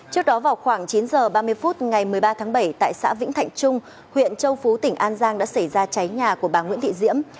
trước đó vào khoảng chín h ba mươi phút ngày một mươi ba tháng bảy tại xã vĩnh thạnh trung huyện châu phú tỉnh an giang đã xảy ra cháy nhà của bà nguyễn thị diễm